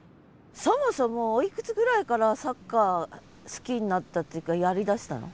そもそもおいくつぐらいからサッカー好きになったっていうかやりだしたの？